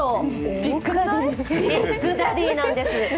ビッグダディなんです。